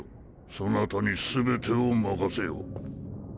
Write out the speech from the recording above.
そなたに全てを任せよう。